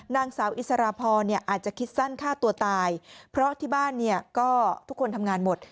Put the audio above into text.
นางสาวอิสรพรอาจจะคิดสั้นฆ่าตัวตายเพราะที่บ้านทุกคนทำงานหมด